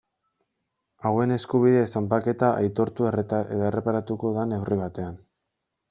Hauen eskubide zanpaketa aitortu eta erreparatuko da neurri batean.